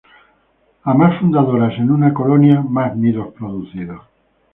A más fundadoras en una colonia, más nidos producidos.